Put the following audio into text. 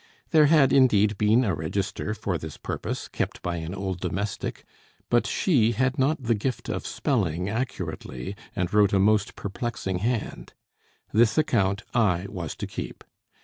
There had indeed been a register for this purpose, kept by an old domestic; but she had not the gift of spelling accurately, and wrote a most perplexing hand. This account I was to keep.